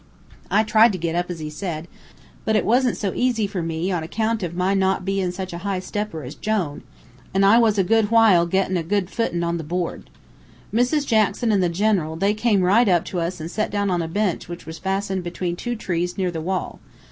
"I tried to get up as he said, but it wasn't so easy for me on account of my not bein' such a high stepper as Jone, an' I was a good while a gettin' a good footin' on the board. "Mrs. Jackson an' the General, they came right up to us an' set down on a bench which was fastened between two trees near the wall.